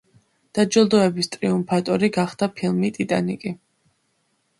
დაჯილდოების ტრიუმფატორი გახდა ფილმი „ტიტანიკი“.